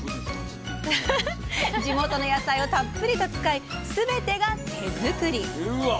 地元の野菜をたっぷりと使い全てが手作り。